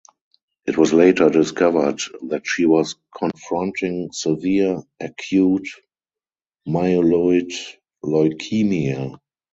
It was later discovered that she was confronting severe Acute Myeloid Leukaemia.